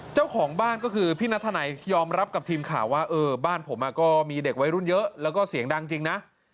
เจ้าของบ้านก็คือพี่นัทธนัยยอมรับกับทีมข่าวว่าบ้านผมก็มีเด็กวัยรุ่นเยอะแล้วก็เสียงดังจริงนะ